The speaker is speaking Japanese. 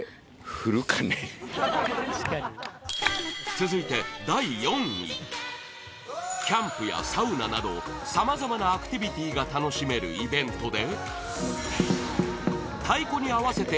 続いて、第４位キャンプやサウナなどさまざまなアクティビティーが楽しめるイベントで